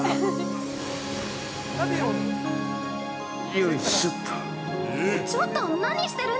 ◆よいしょっと。